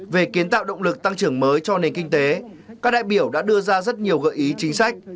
về kiến tạo động lực tăng trưởng mới cho nền kinh tế các đại biểu đã đưa ra rất nhiều gợi ý chính sách